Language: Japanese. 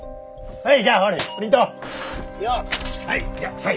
はい。